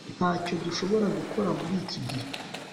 ntacyo dushobora gukora muri iki gihe